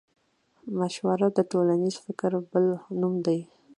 مشوره د ټولنيز فکر بل نوم دی.